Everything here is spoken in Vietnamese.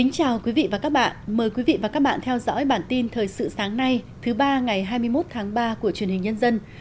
chào mừng quý vị đến với bản tin thời sự sáng nay thứ ba ngày hai mươi một tháng ba của truyền hình nhân dân